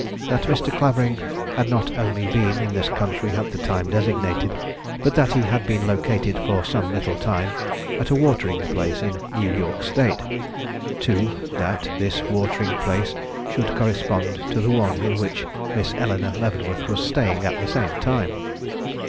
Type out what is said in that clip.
That Mr. Clavering had not only been in this country at the time designated, but that he had been located for some little time at a watering place in New York State. II. That this watering place should correspond to the one in which Miss Eleanore Leavenworth was staying at the same time.